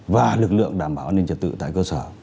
và lực lượng đảm bảo an ninh trật tự tại cơ sở